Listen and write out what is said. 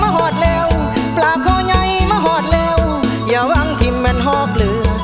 มาหอดแล้วปลาของใหญ่มาหอดแล้วอย่าวางทีมแม่นฮอกเหลือ